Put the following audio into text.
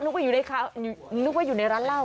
นึกว่าอยู่ในร้านเหล้า